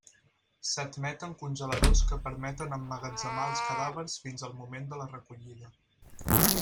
S'admeten congeladors que permeten emmagatzemar els cadàvers fins al moment de la recollida.